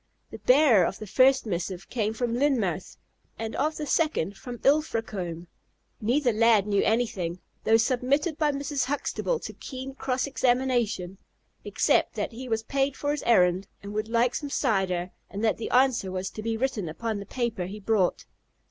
The bearer of the first missive came from Lynmouth, and of the second from Ilfracombe. Neither lad knew anything (though submitted by Mrs. Huxtable to keen cross examination), except that he was paid for his errand, but would like some cider, and that the answer was to be written upon the paper he brought.